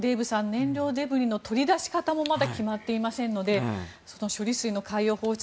燃料デブリの取り出し方もまだ決まっていませんのでその処理水の海洋放出